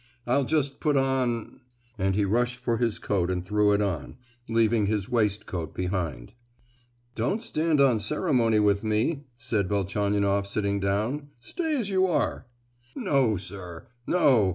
I'll just put on——" and he rushed for his coat and threw it on, leaving his waistcoat behind. "Don't stand on ceremony with me," said Velchaninoff sitting down; "stay as you are!" "No, sir, no!